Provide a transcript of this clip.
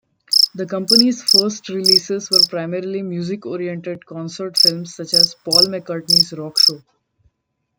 The company's first releases were primarily music-oriented concert films such as Paul McCartney's "Rockshow".